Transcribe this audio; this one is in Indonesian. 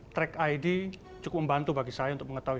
track id cukup membantu bagi saya untuk mengetahui